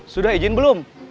sudah izin belum